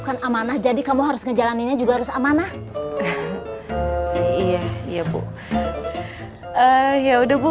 bukan amanah jadi kamu harus ngejalaninnya juga harus amanah iya iya bu yaudah bu